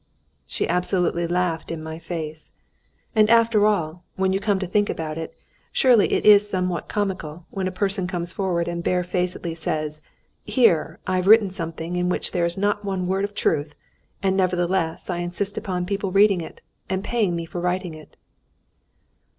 She absolutely laughed in my face. And after all, when you come to think about it, surely it is somewhat comical when a person comes forward and barefacedly says, "Here, I've written something in which there is not one word of truth, and nevertheless I insist upon people reading it, and paying me for writing it."